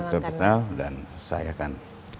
secara profesional dan saya kan